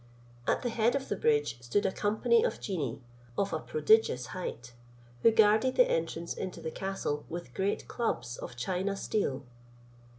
At the head of the bridge stood a company of genii, of a prodigious height, who guarded the entrance into the castle with great clubs of China steel.